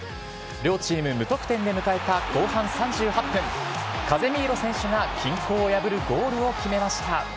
両チーム無得点で迎えた後半３８分、カゼミーロ選手が均衡を破るゴールを決めました。